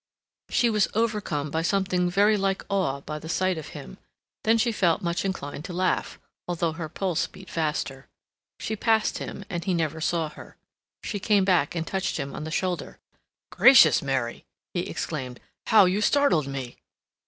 She was overcome by something very like awe by the sight of him; then she felt much inclined to laugh, although her pulse beat faster. She passed him, and he never saw her. She came back and touched him on the shoulder. "Gracious, Mary!" he exclaimed. "How you startled me!"